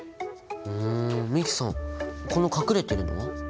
ふん美樹さんこの隠れてるのは？